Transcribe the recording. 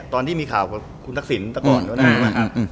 ตอนที่มีข่าวกับคุณทักศิลป์เมื่อก่อน